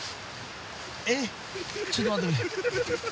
えっちょっと待ってくれ。